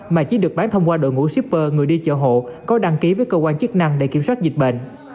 mà chỉ được bán thông qua đội ngũ shipper người đi chợ hộ có đăng ký với cơ quan chức năng để kiểm soát dịch bệnh